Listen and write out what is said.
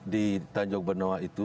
di tanjung benoa itu